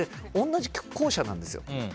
同じ校舎なんですよ。